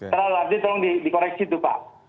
terlalu jadi tolong dikoreksi itu pak